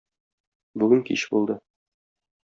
Бүген кич булды.